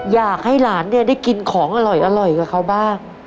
อยากให้หลานเนี่ยได้กินของอร่อยกับเขาบ้าง